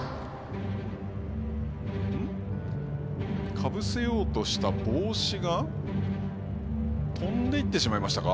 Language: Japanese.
かぶせようとした帽子が飛んでいってしまいましたか。